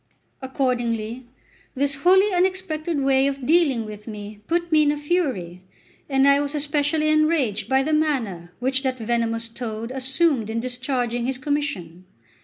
Accordingly, this wholly unexpected way of dealing with me put me in a fury, and I was especially enraged by the manner which that venomous toad assumed in discharging his commission.